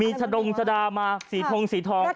มีชะดงชะดามาสีทงสีทอง